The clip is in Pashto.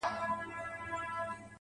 د دود وهلي ښار سپېڅلي خلگ لا ژونـدي دي.